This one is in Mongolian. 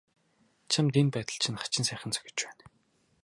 Чамд энэ байдал чинь хачин сайхан зохиж байна.